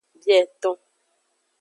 Bieton.